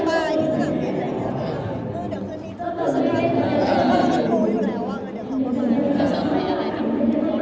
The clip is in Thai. ที่ที่มีบายที่ศึกษาโรงงายด้วย